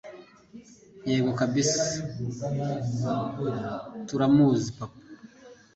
yego kabsa turamuzi papa